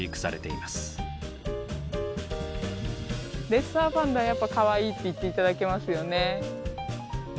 レッサーパンダやっぱ「かわいい」って言って頂けますよね。